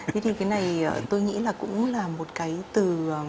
thế thì cái này tôi nghĩ là cũng là một cái từ